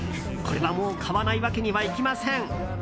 これはもう買わないわけにはいきません。